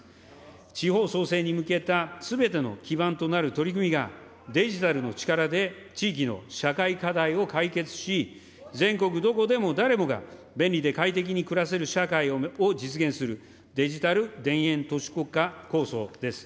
地方創生に向けたすべての基盤となる取り組みが、デジタルの力で地域の社会課題を解決し、全国どこでも誰もが便利で快適に暮らせる社会を実現するデジタル田園都市国家構想です。